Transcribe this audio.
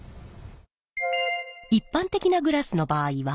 一般的なグラスの場合は。